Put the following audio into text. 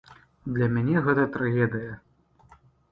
Для мяне гэта трагедыя.